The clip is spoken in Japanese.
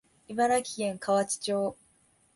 茨城県河内町